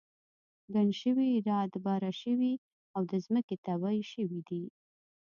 ګڼ شوي را دبره شوي او د ځمکې تبی شوي دي.